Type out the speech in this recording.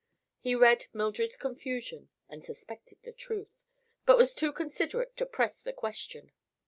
He read Mildred's confusion and suspected the truth, but was too considerate to press the question.